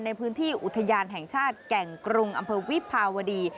ในพื้นที่อุทยานแห่งชาติแก่งกรุงอำเภอวิภาวดี